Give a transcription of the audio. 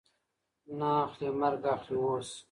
نه اخلي مرګ اخلي اوس